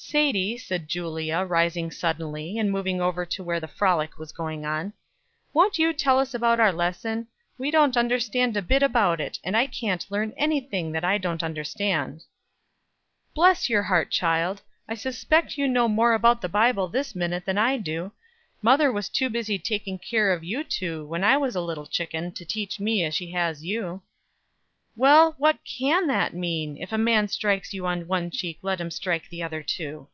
"Sadie," said Julia, rising suddenly, and moving over to where the frolic was going on, "won't you tell us about our lesson? We don't understand a bit about it; and I can't learn any thing that I don't understand." "Bless your heart, child! I suspect you know more about the Bible this minute than I do. Mother was too busy taking care of you two, when I was a little chicken, to teach me as she has you." "Well, but what can that mean 'If a man strikes you on one cheek, let him strike the other too?'"